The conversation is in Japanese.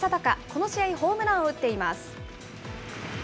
この試合、ホームランを打っています。